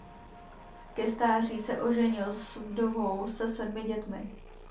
Ke stáří se oženil s vdovou se sedmi dětmi.